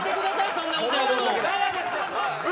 そんなことやるの。